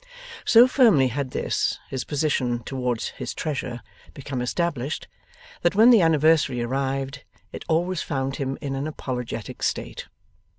So firmly had this his position towards his treasure become established, that when the anniversary arrived, it always found him in an apologetic state.